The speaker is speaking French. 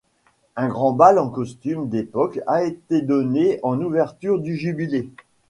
Un grand bal en costume d'époque a été donné en ouverture du Jubilé.